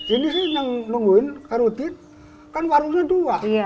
ini sih yang nungguin rutin kan warungnya dua